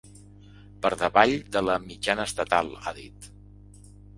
Per davall de la mitjana estatal, ha dit.